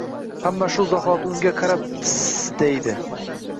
Hamma shu zahoti unga qarab Tsss deydi